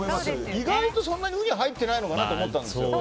意外と、そんなにウニ入ってないのかなと思ったんです。